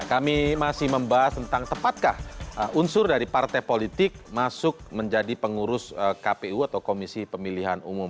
kami masih membahas tentang tepatkah unsur dari partai politik masuk menjadi pengurus kpu atau komisi pemilihan umum